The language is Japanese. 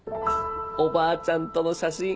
おばあちゃんとの写真。